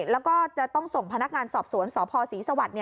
แล้วก็จะต้องส่งพนักงานสอบสวนสพศรีสวรรค์